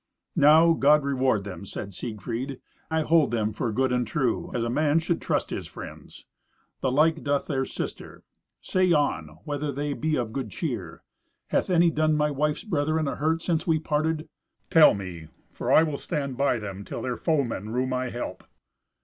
"Now God reward them," said Siegfried; "I hold them for good and true, as a man should trust his friends. The like doth their sister. Say on, whether they be of good cheer. Hath any done my wife's brethren a hurt since we parted? Tell me, for I will stand by them till their foemen rue my help."